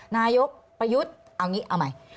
นายกประยุทธ์เอางี้เอาใหม่